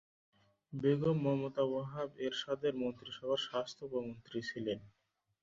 বেগম মমতা ওয়াহাব এরশাদের মন্ত্রিসভার স্বাস্থ্য উপমন্ত্রী ছিলেন।